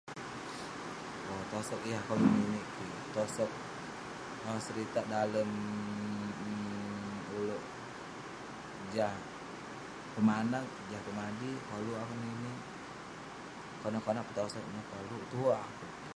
Owk..Tosog yah koluk keninik kik, tosog...seritak dalem um ulouk jah pemanak, jah pemadik..koluk akouk ninik..konak konak peh tosog neh, koluk tuwerk akouk..